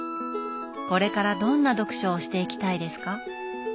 これからどんな読書をしていきたいですか？